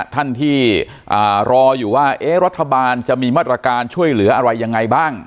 ท่านที่รออยู่ว่ารัฐบาลจะมีมาตรการช่วยเหลืออะไรยังไงบ้าง